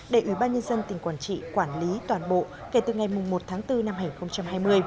để ubnd tỉnh quảng trị quản lý toàn bộ kể từ ngày một tháng bốn năm hai nghìn hai mươi